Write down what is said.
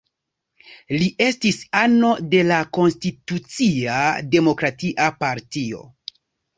Li estis ano de la Konstitucia Demokratia Partio.